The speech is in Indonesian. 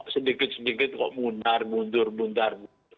sedikit sedikit kok mundur mundur